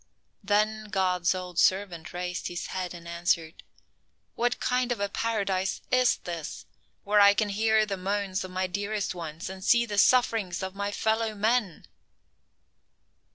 Then God's old servant raised his head and answered: "What kind of a Paradise is this, where I can hear the moans of my dearest ones, and see the sufferings of my fellow men!"